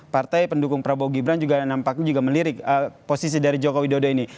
partai pendukung prabowo gibran juga melirik posisi dari jokowi daudini